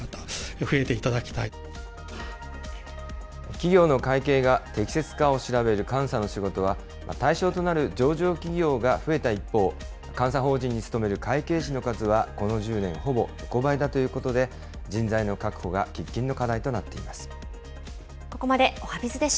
企業の会計が適切かを調べる監査の仕事は、対象となる上場企業が増えた一方、監査法人に勤める会計士の数はこの１０年、ほぼ横ばいだということで、人材の確保が喫緊の課題となっています。